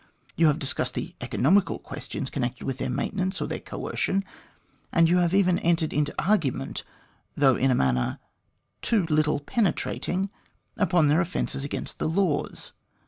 You have discussed the economical questions connected with their maintenance or their coercion, and you have even entered into argument, though in a manner too little penetrating, upon their offences against the laws.